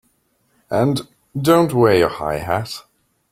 And don't wear your high hat!